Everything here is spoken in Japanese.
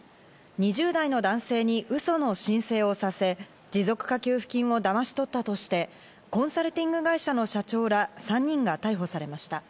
２０代の男性にウソの申請をさせ持続化給付金をだまし取ったとして、コンサルティング会社の社長ら３人が逮捕されました。